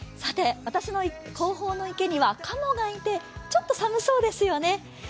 私の後方の池には、かもがいてちょっと寒そうですよね。